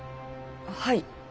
はい。